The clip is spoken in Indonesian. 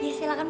ya silahkan bu